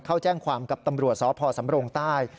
เข้าแจ้งความกับตำรวจสพสำรงใต้